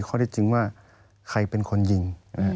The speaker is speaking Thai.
ข้อได้จริงว่าใครเป็นคนยิง